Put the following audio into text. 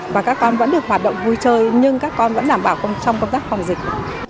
và các con vẫn được hoạt động vui chơi nhưng các con vẫn đảm bảo trong công tác phòng dịch